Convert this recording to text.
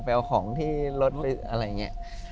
ไปเอาของที่รถอะไรอย่างนี้